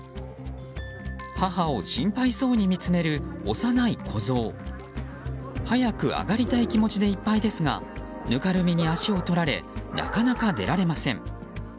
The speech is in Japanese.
母を心配そうに見つめる幼い子ゾウ。早く上がりたい気持ちでいっぱいですがぬかるみに足を取られなかなか出られません。